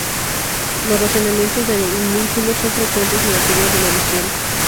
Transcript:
Los razonamientos del homúnculo son frecuentes en la teoría de la visión.